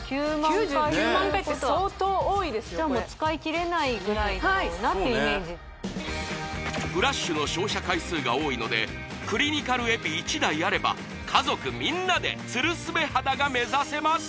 ９９万回って相当多いですよぐらいだろうなっていうイメージフラッシュの照射回数が多いのでクリニカルエピ１台あれば家族みんなでツルスベ肌が目指せます